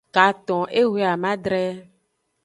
Katon ehwe amadre.